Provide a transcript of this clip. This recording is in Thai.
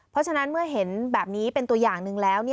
เพราะฉะนั้นเมื่อเห็นแบบนี้เป็นตัวอย่างหนึ่งแล้ว